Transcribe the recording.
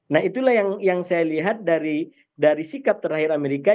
nah itulah yang saya lihat dari sikap terakhir amerika